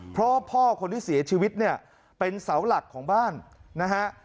เพราะว่าพ่อคนที่เสียชีวิตเนี่ยเป็นเสาหลักของบ้านนะฮะ